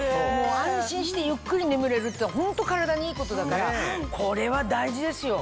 安心してゆっくり眠れるっていうのはホント体にいいことだからこれは大事ですよ。